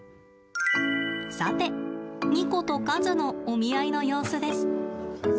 さて、ニコと和のお見合いの様子です。